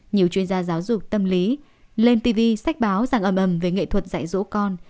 nhiều chuyên gia giáo dục tâm lý lên tv sách báo rằng âm ẩm về nghệ thuật dạy dỗ con